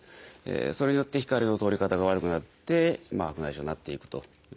それによって光の通り方が悪くなって白内障になっていくということになる。